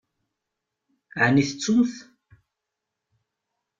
Ɛni tettumt?